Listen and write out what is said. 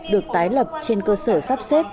được tái lập trên cơ sở sắp xếp